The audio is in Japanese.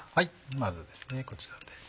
まずこちらで。